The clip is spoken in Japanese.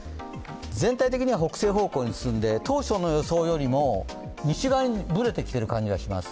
全体的には北西方向に進んで当初の予想よりも西側にぶれてきている感じがします。